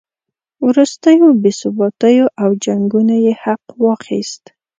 وروستیو بې ثباتیو او جنګونو یې حق واخیست.